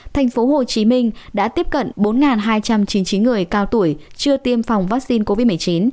tp hcm đã tiếp cận bốn hai trăm chín mươi chín người cao tuổi chưa tiêm phòng vaccine covid một mươi chín